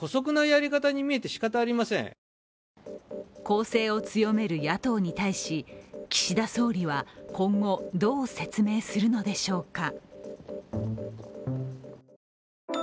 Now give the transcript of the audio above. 攻勢を強める野党に対し、岸田総理は今後、どう説明するのでしょうか。